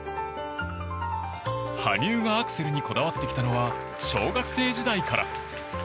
羽生がアクセルにこだわってきたのは小学生時代から。